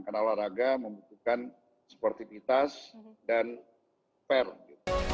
karena olahraga membutuhkan sportivitas dan perl